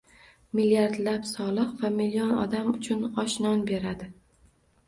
Milliardlab soliq va million odam uchun osh-non beradi